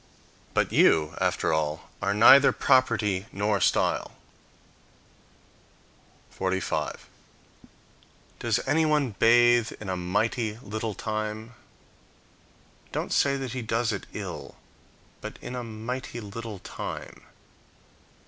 But you, after all, are neither property nor style. 45. Does anyone bathe in a mighty little time? Don't say that he does it ill, but in a mighty little time.